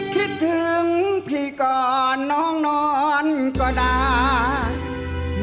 คิดถึงพี่ก่อนน้องนอนก็ได้